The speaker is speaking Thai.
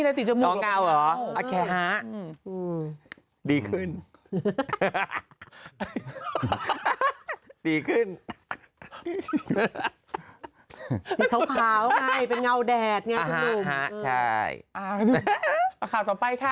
อ่าค่ะต่อไปค่ะค่ะต่อไปค่ะ